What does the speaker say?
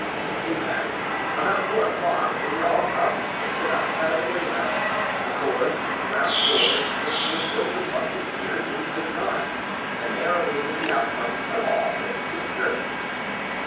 In fact, about four o'clock they were all concentrated about the Palais Royal, the courts and ground floors of which were filled with musketeers and Swiss guards, and there awaited the outcome of all this disturbance.